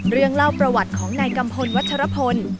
เล่าประวัติของนายกัมพลวัชรพล